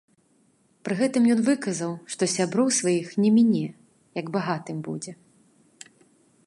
Пры гэтым ён выказаў, што сяброў сваіх не міне, як багатым будзе.